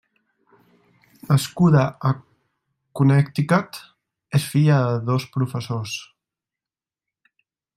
Nascuda a Connecticut, és filla de dos professors.